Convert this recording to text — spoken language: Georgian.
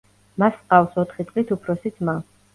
მას ჰყავს ოთხი წლით უფროსი ძმა.